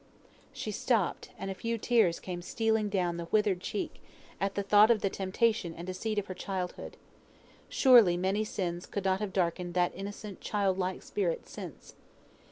'" She stopped, and a few tears came stealing down the old withered cheek, at the thought of the temptation and deceit of her childhood. Surely, many sins could not have darkened that innocent child like spirit since.